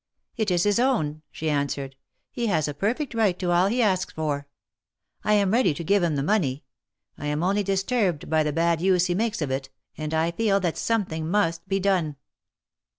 "It is his own," she answered. "He has a perfect right to all he asks for. I am ready to give him the money. I am only disturbed by the bad use he makes of it, and I feel that something must be done."